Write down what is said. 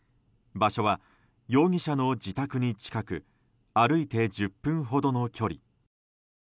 場所は、容疑者の自宅に近く歩いて１０分ほどの距離。